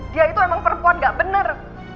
dia itu emang perempuan gak benar